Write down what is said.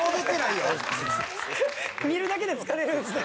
見るだけで疲れるんですね。